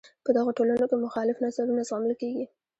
په دغو ټولنو کې مخالف نظرونه زغمل کیږي.